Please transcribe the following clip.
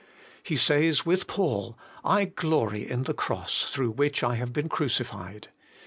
He says with Paul, ' I glory in the cross through which I have been crucified.'